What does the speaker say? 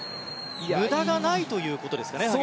無駄がないということですか？